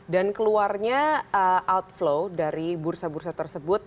dan keluarnya outflow dari bursa bursa tersebut